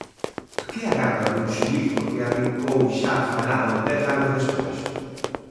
Que agarda dun xuízo que arrincou xa fanado, dez anos despois?